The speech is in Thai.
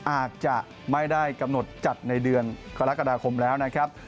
อาจจะไม่ได้กำหนดจัดในเดือนกรกฎาคมแล้วนะครับ